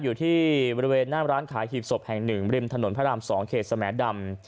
อยู่ที่บริเวณหน้าร้านขายหีบศพแห่ง๑ริมถนนพระราม๒เขตสแหมดำ